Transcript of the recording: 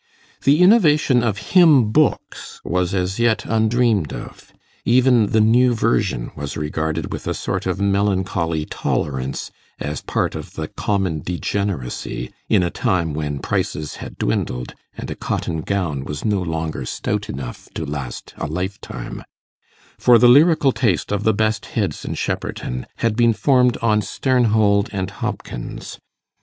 The innovation of hymn books was as yet undreamed of; even the New Version was regarded with a sort of melancholy tolerance, as part of the common degeneracy in a time when prices had dwindled, and a cotton gown was no longer stout enough to last a lifetime; for the lyrical taste of the best heads in Shepperton had been formed on Sternhold and Hopkins.